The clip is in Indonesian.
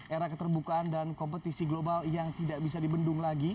era keterbukaan dan kompetisi global yang tidak bisa dibendung lagi